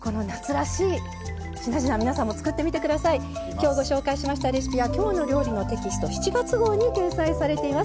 今日ご紹介しましたレシピは「きょうの料理」のテキスト７月号に掲載されています。